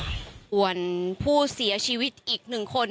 ส่วนผู้เสียชีวิตอีกหนึ่งคน